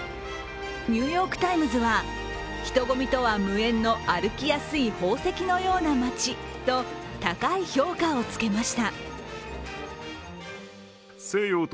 「ニューヨーク・タイムズ」は人混みとは無縁の歩きやすい宝石のような街と高い評価をつけました。